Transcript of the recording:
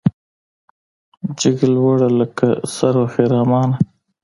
جګه لوړه لکه سرو خرامانه